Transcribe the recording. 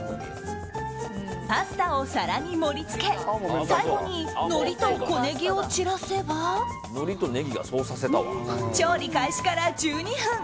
パスタを皿に盛り付け最後にのりと小ネギを散らせば調理開始から１２分。